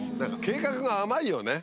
計画が甘いよね。